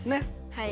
はい。